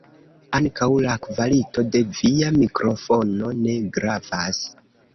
Ankaŭ la kvalito de via mikrofono ne gravas.